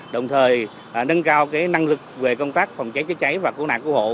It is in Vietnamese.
đồng thời nâng cao năng lực về công tác phòng trái chữa trái và cố nạn cố hộ